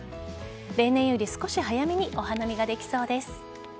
例年より少し早めにお花見ができそうです。